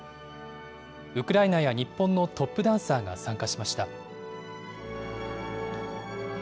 ウクライナや日本のトップダンサーが参加しました。